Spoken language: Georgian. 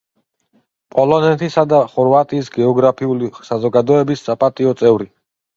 პოლონეთისა და ხორვატიის გეოგრაფიული საზოგადოების საპატიო წევრი.